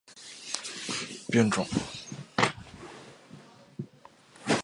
缺瓣重楼是黑药花科重楼属的变种。